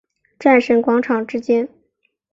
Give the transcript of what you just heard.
战神广场之间。